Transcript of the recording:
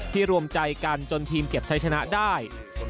รวมใจกันจนทีมเก็บใช้ชนะได้